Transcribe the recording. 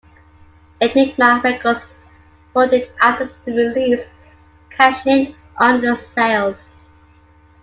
Enigma Records folded after the release, cashing in on the sales.